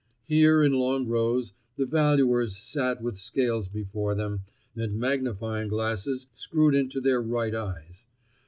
Here in long rows the valuers sat with scales before them, and magnifying glasses screwed into their right eyes.